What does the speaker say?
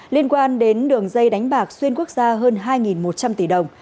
liên quan đến đường dây đánh bạc xuyên quốc gia hơn hai một trăm linh tỷ đồng